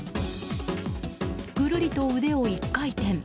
ぐるりと腕を一回転。